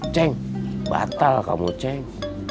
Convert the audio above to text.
ceng batal kamu ceng